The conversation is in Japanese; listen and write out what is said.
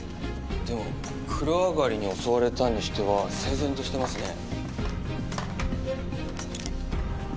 でも風呂上がりに襲われたにしては整然としてますね。